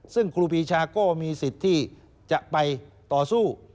ซึ่งครูปีชาก็มีสิทธิ์ที่จะไปต่อสู้